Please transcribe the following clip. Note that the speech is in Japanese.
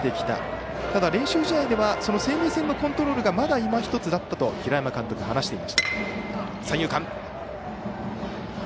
ただ、練習試合ではその生命線のコントロールがまだいまひとつだったと平山監督話していました。